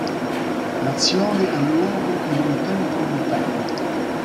L'azione ha luogo "in un tempo lontano".